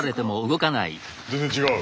全然違う。